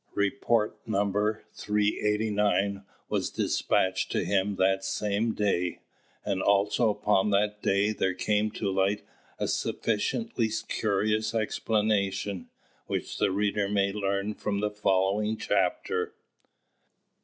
Report No. 389 was despatched to him that same day; and also upon that day there came to light a sufficiently curious explanation, which the reader may learn from the following chapter.